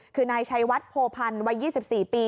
คือนายชัยวัดโพพันธ์วัย๒๔ปี